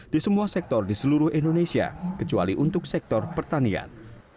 di semua sektor di seluruh indonesia kecuali untuk sektor pertanian